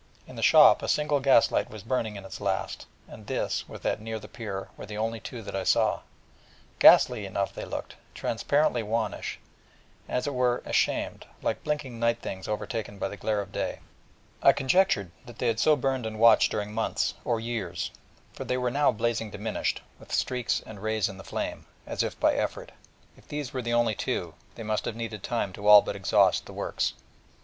In the shop a single gas light was burning its last, and this, with that near the pier, were the only two that I saw: and ghastly enough they looked, transparently wannish, and as it were ashamed, like blinking night things overtaken by the glare of day. I conjectured that they had so burned and watched during months, or years: for they were now blazing diminished, with streaks and rays in the flame, as if by effort, and if these were the only two, they must have needed time to all but exhaust the works.